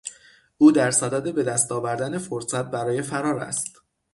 او در صدد بهدست آوردن فرصت برای فرار است.